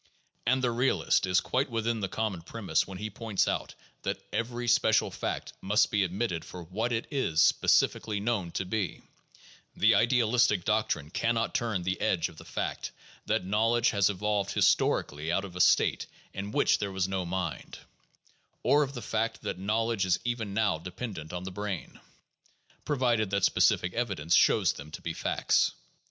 And the realist is quite within the common premise when he points out that every special fact must be admitted for what it is specifically known to be; the idealistic doctrine can not turn the edge of the fact that knowledge has evolved historically out of a state in which there was no mind, or of the fact that knowledge is even now dependent on the brain, provided that specific evidence shows them to be facts.